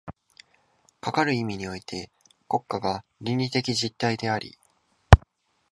かかる意味において国家が倫理的実体であり、